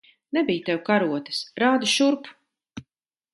Nebij tev karotes. Rādi šurp!